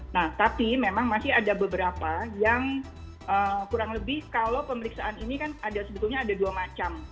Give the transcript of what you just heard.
nah tapi memang masih ada beberapa yang kurang lebih kalau pemeriksaan ini kan ada sebetulnya ada dua macam